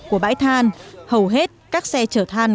của bãi than hầu hết các xe chở than